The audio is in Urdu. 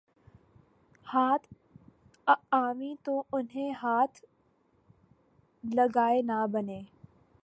ہاتھ آویں تو انہیں ہاتھ لگائے نہ بنے